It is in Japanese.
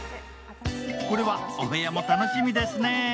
これは、お部屋も楽しみですね。